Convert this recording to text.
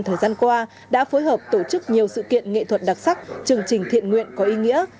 thời gian qua đã phối hợp tổ chức nhiều sự kiện nghệ thuật đặc sắc chương trình thiện nguyện có ý nghĩa